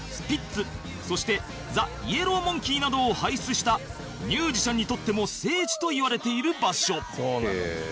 そして ＴＨＥＹＥＬＬＯＷＭＯＮＫＥＹ などを輩出したミュージシャンにとっても聖地といわれている場所